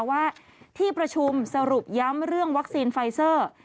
ว่าที่ประชุมสรุปย้ำเรื่องวัคซีนไฟเซอร์